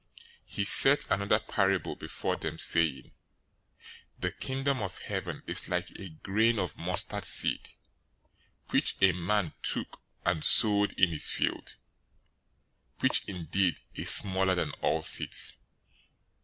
"'" 013:031 He set another parable before them, saying, "The Kingdom of Heaven is like a grain of mustard seed, which a man took, and sowed in his field; 013:032 which indeed is smaller than all seeds.